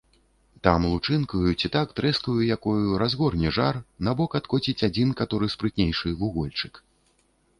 Там лучынкаю, ці так трэскаю якою, разгорне жар, набок адкоціць адзін, каторы спрытнейшы, вугольчык.